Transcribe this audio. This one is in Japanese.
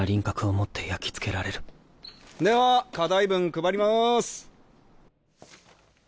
全部では課題文配ります。